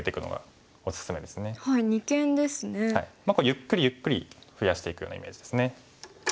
ゆっくりゆっくり増やしていくようなイメージですね。